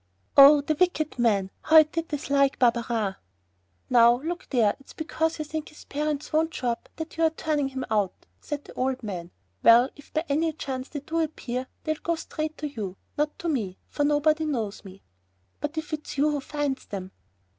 Oh! the wicked man! How I did dislike Barberin! "Now, look here, it's because you think his parents won't show up now that you're turning him out," said the old man. "Well, if by any chance they do appear, they'll go straight to you, not to me, for nobody knows me." "But if it's you who finds them?"